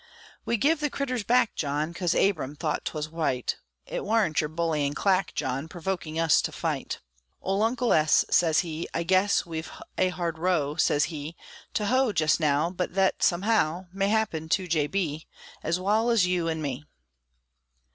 We give the critters back, John, Cos Abram thought 'twas right; It warn't your bullyin' clack, John, Provokin' us to fight. Ole Uncle S. sez he, "I guess We've a hard row," sez he, "To hoe jest now; but thet, somehow, May happen to J. B., Ez wal ez you an' me!"